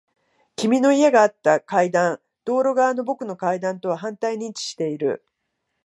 君の家があった階段。道路側の僕の階段とは反対に位置している。